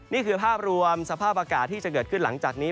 นี่คือภาพรวมสภาพอากาศที่จะเกิดขึ้นหลังจากนี้